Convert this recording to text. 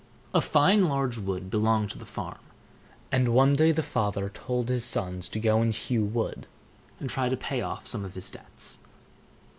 A fine large wood belonged to the farm, and one day the father told his sons to go and hew wood, and try to pay off some of his debts.